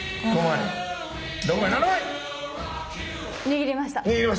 握りました？